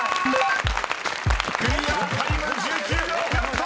［クリアタイム１９秒フラット］